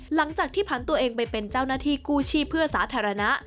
หลังจากที่ผ่านตัวเองไปเป็นเจ้าหน้าที่กู้ชีพเพื่อสาธารณะ